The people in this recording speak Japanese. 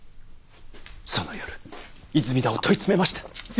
その夜泉田を問い詰めました。